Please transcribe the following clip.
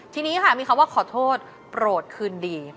ทีนี้ค่ะมีคำว่าขอโทษโปรดคืนดี